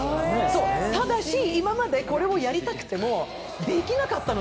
ただし、今までこれをやりたくてもできなかったの。